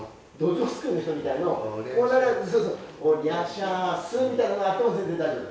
しゃぁすみたいのがあっても全然大丈夫。